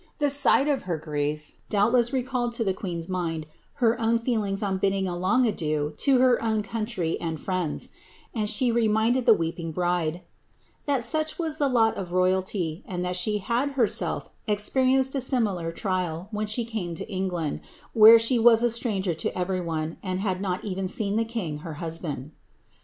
The sight of her grief doubt ku recalled to the queen's mind her own feelings on bidding a long idiea to her own country and friends ; and she reminded the weeping hide, *^ that such was the lot of royalty, and that she had herself expe lieDced a similar trial when she came to England, where she was a stran* |er 10 every one, and had not even seen the king her husband."